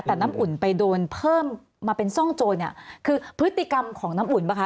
แต่น้ำอุ่นไปโดนเพิ่มมาเป็นซ่องโจรเนี่ยคือพฤติกรรมของน้ำอุ่นป่ะค